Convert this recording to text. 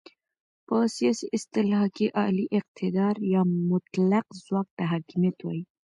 په سیاسي اصطلاح کې اعلی اقتدار یا مطلق ځواک ته حاکمیت وایې.